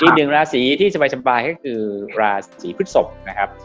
อีกหนึ่งราศีที่สบายก็คือราศีพฤศพนะครับ